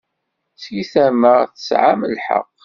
Seg tama, tesɛam lḥeqq.